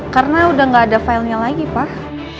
karena udah gak ada filenya lagi pak